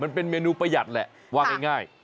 มันเป็นเมนูประหยัดแหละว่าง่าย